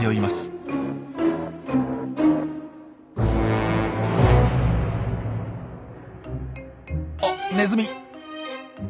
あっネズミ。